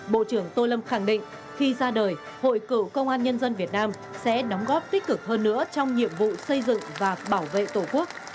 bộ trưởng tô lâm khẳng định khi ra đời hội cựu công an nhân dân việt nam sẽ đóng góp tích cực hơn nữa trong nhiệm vụ xây dựng và bảo vệ tổ quốc